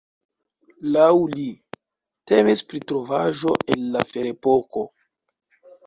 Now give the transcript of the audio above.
Laŭ li, temis pri trovaĵo el la ferepoko.